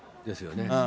ですよね。